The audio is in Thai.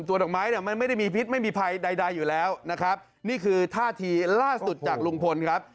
ดอกไม้เนี่ยมันไม่ได้มีพิษไม่มีภัยใดอยู่แล้วนะครับนี่คือท่าทีล่าสุดจากลุงพลครับ